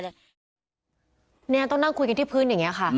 นี่ต้องนั่งคุยกันที่พื้นอย่างนี้ค่ะ